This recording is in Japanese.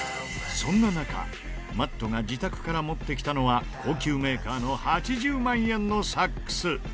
そんな中Ｍａｔｔが自宅から持ってきたのは高級メーカーの８０万円のサックス。